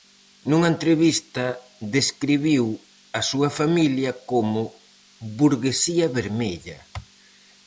Nunha entrevista describiu a súa familia como "burguesía vermella".